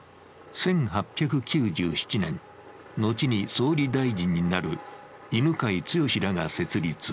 １９８７年、後に総理大臣になる犬養毅らが設立。